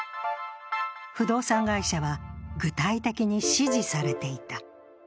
不動産会社は具体的に指示されていた。